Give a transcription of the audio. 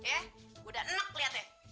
ya udah enak liat ya